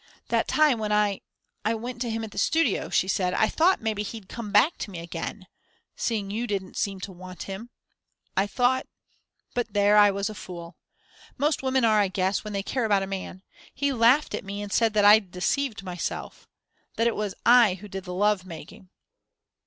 "That time when I I went to him at the studio," she said, "I thought maybe he'd come back to me again seeing you didn't seem to want him. I thought but there, I was a fool. Most women are, I guess, when they care about a man. He laughed at me and said that I'd deceived myself that it was I who did the love making.